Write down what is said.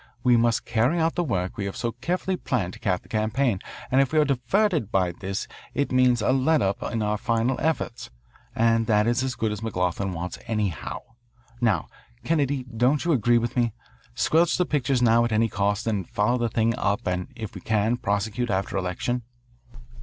We must carry out the work we have so carefully planned to cap the campaign, and if we are diverted by this it means a let up in our final efforts, and that is as good as McLoughlin wants anyhow. Now, Kennedy, don't you agree with me? Squelch the pictures now at any cost, then follow the thing up and, if we can, prosecute after election?"